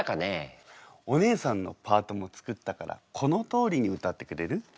お姉さんのパートも作ったからこのとおりに歌ってくれる？